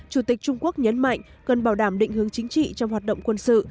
chủ tịch trung quốc nhấn mạnh cần bảo đảm định hướng chính trị trong hoạt động quân sự